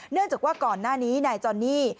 เนื่องจากว่าก่อนหน้านี้นายจอนนี่